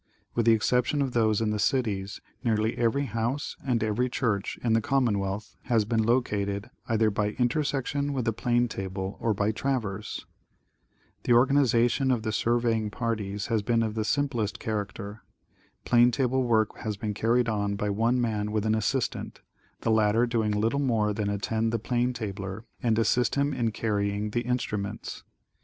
With the exception of those in the cities, nearly every house and every church in the commonwealth has been located, either by intersection with the plane table or by traverse. The organization of the surveying parties has been of the sim plest character. Plane table work has been carried on by one man with an assistant, the latter doing little more than attend the plane tabler and assist him in carrying the instruments.